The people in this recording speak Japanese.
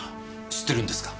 知ってるんですか？